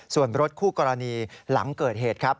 ส่วนรถคู่กรณีหลังเกิดเหตุครับ